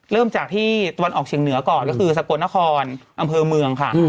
เริ่มจากที่ตะวันออกเฉียงเหนือก่อนก็คือสกลนครอำเภอเมืองค่ะ